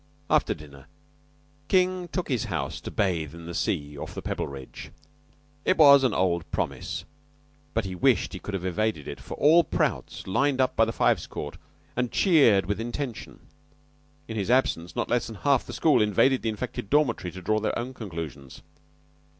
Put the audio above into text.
After dinner King took his house to bathe in the sea off the Pebbleridge. It was an old promise; but he wished he could have evaded it, for all Prout's lined up by the Fives Court and cheered with intention. In his absence not less than half the school invaded the infected dormitory to draw their own conclusions.